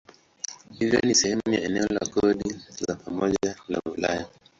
Hivyo si sehemu ya eneo la kodi za pamoja la Ulaya.